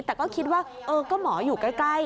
แต่ก็คิดว่าเออก็หมออยู่ใกล้